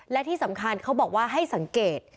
และที่สำคัญเขาบอกว่าให้สังเกต